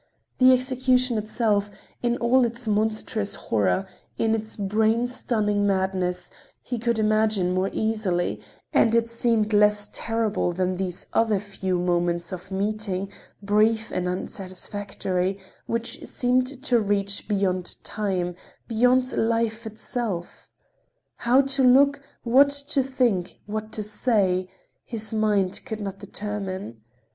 The execution itself, in all its monstrous horror, in its brain stunning madness, he could imagine more easily, and it seemed less terrible than these other few moments of meeting, brief and unsatisfactory, which seemed to reach beyond time, beyond life itself. How to look, what to think, what to say, his mind could not determine.